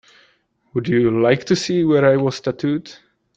Would you like to see where I was tattooed?